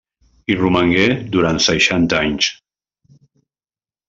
Hi romangué durant seixanta anys.